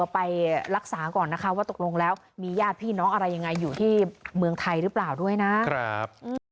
ไปรักษาก่อนนะคะว่าตกลงแล้วมีญาติพี่น้องอะไรยังไงอยู่ที่เมืองไทยหรือเปล่าด้วยนะครับ